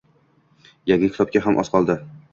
Yangi kitobga ham oz qoldi.